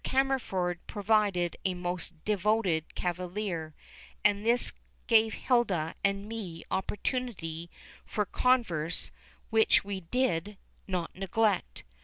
Cammerford proved a most devoted cavalier, and this gave Hilda and me opportunity for converse which we did not neglect.